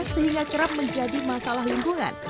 sehingga kerap menjadi masalah lingkungan